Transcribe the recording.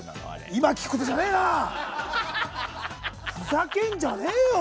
今聞くことじゃねえな！